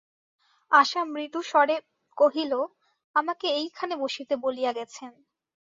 আশা মৃদুস্বরে কহিল, আমাকে এইখানে বসিতে বলিয়া গেছেন।